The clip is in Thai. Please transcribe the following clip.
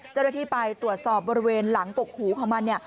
ยังไงที่จะไปตรวจสอบบริเวณหลังกรกหูของมัน